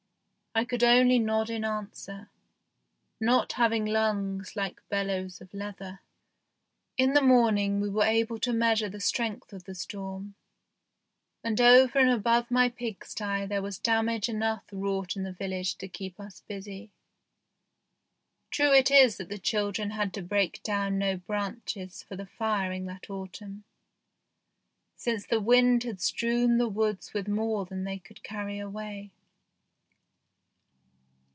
" I could only nod in answer, not having lungs like bellows of leather. 3 18 THE GHOST SHIP In the morning we were able to measure the strength of the storm, and over and above my pigsty there was damage enough wrought in the village to keep us busy. True it is that the children had to break down no branches for the firing that autumn, since the wind had strewn the woods with more than they could carry away.